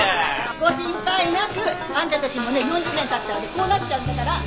ご心配なくあんたたちもね４０年経ったらねこうなっちゃうんだから。